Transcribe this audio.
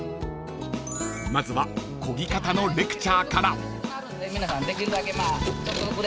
［まずはこぎ方のレクチャーから］